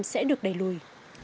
sẽ được đẩy lùi